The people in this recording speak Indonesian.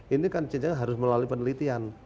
ini kan harus melalui penelitian